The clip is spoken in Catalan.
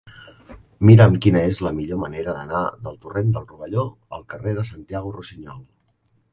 Mira'm quina és la millor manera d'anar del torrent del Rovelló al carrer de Santiago Rusiñol.